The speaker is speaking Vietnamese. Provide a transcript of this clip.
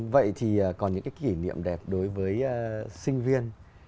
vậy thì còn những cái kỷ niệm đẹp đối với sinh viên